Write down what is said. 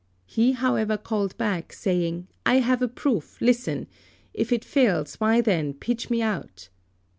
He, however, called back saying, "I have a proof; listen. If it fails, why then, pitch me out."